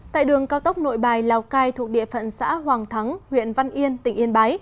tại đường cao tốc nội bài lào cai thuộc địa phận xã hoàng thắng huyện văn yên tỉnh yên bái